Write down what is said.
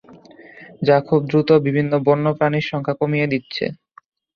যা খুব দ্রুত বিভিন্ন বন্যপ্রাণীর সংখ্যা কমিয়ে দিচ্ছি।